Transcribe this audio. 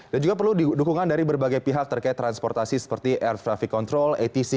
dan juga perlu dukungan dari berbagai pihak terkait transportasi seperti air traffic control atc